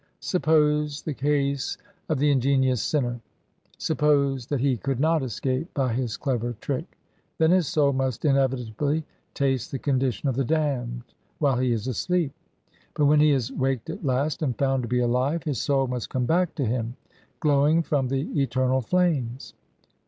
Suppose the case of the ingenious sinner. Suppose that he could not escape by his clever trick. Then his soul must inevitably taste the condition of the damned while he is asleep. But when he is waked at last, and found to be alive, his soul must come back to him, glowing from the eternal flames.